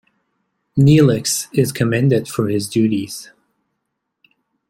Neelix is commended for his duties.